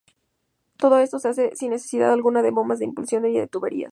Todo esto se hace sin necesidad alguna de bombas de impulsión ni de tuberías.